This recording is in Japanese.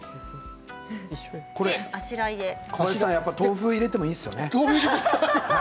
豆腐を入れてもいいですよね。